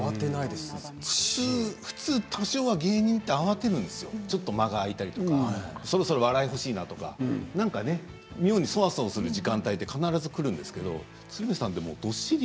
普通、芸人はちょっと間が空いたりとかそろそろ笑い欲しいなとか妙にそわそわする時間帯が必ずくるんですけど鶴瓶さんどっしり。